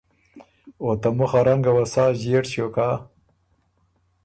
او ته مُخ ا رنګه وه که سا ݫئېړ ݭیوک هۀ،